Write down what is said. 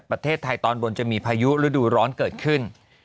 ประเทศไทยตอนบนจะมีพายุฤดูร้อนเกิดขึ้น